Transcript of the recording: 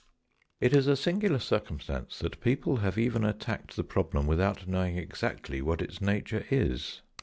It is a singular circumstance that people have even attacked the problem without knowing exactly what its nature is.